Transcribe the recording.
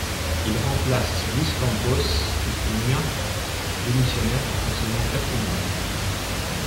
Il remplace Luís Campos e Cunha, démissionnaire après seulement quatre mois.